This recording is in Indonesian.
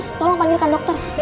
sus tolong panggilkan dokter